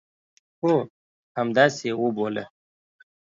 هو، همداسي یې وبوله